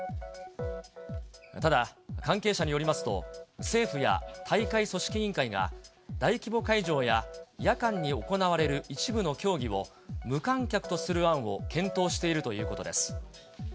ただ、関係者によりますと、政府や大会組織委員会が、大規模会場や夜間に行われる一部の競技を無観客とする案を検討しているということです。